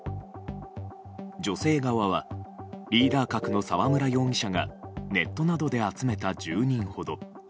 女性側はリーダ格の沢村容疑者がネットなどで集めた１０人ほど。